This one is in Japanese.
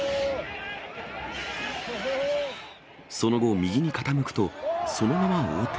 その後、右に傾くと、そのまま横転。